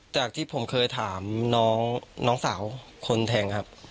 จากที่ผมเคยถามน้องสาวคนแทงครับ